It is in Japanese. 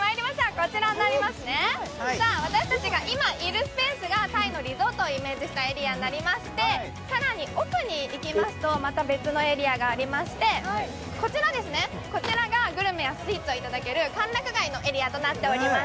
私たちが今いるスペースがタイのリゾートをイメージしたエリアになりまして更に奥に行きますと、また別のエリアがありまして、こちらがグルメやスイーツをいただける歓楽街のイメージとなっております。